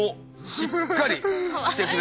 しっかりしてくれてます。